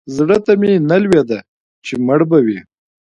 زړه ته مې نه لوېده چې مړ به وي.